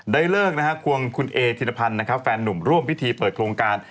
ได้เลิกควงคุณเอธินภัณฑ์แฟนนุ่มร่วมพิธีเปิดโครงการ